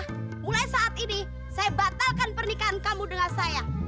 nah mulai saat ini saya batalkan pernikahan kamu dengan saya